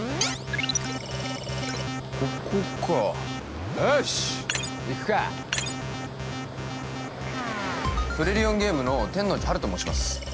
ここかよし行くかトリリオンゲームの天王寺陽と申します